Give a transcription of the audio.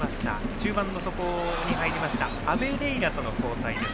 中盤の底に入りましたアベリェイラとの交代です。